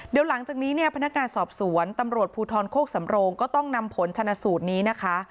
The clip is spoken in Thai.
เดี๋ยวหลังจากนี้เนี่ยพนักงานสอบสวนตำรวจภูทรโคกสำโรงก็ต้องนำผลชนะสูตรนี้นะคะ